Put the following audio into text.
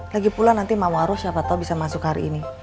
lagi pulang nanti mam waruh siapa tau bisa masuk hari ini